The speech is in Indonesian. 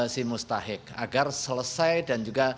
si mustahik agar selesai dan juga